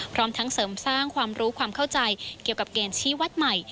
พร้อมทั้งเสริมสร้างความรู้ความเข้าใจเกี่ยวกับเกณฑ์ชี้วัดใหม่